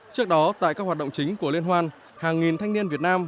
trước đó tại các hoạt động chính của liên hoan hàng nghìn thanh niên việt nam